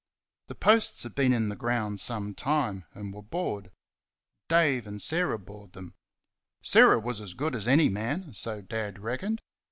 The posts had been in the ground some time, and were bored. Dave and Sarah bored them. Sarah was as good as any man so Dad reckoned.